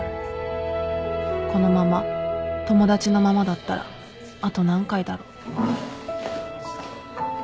このまま友達のままだったらあと何回だろう